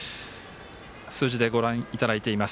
数字でご覧いただいています。